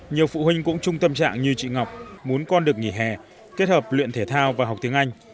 nhiều phụ huynh cũng chung tâm trạng như chị ngọc muốn con được nghỉ hè kết hợp luyện thể thao và học tiếng anh